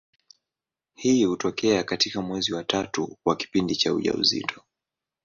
Hii hutokea katika mwezi wa tatu wa kipindi cha ujauzito.